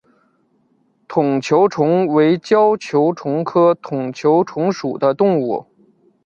筒球虫为胶球虫科筒球虫属的动物。